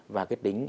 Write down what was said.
và cái tính